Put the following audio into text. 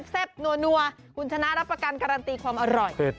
แซ่บนัวคุณชนะรับประกันการันตีความอร่อย